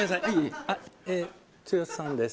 剛さんです。